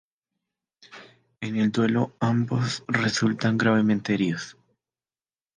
En el duelo, ambos resultan gravemente heridos.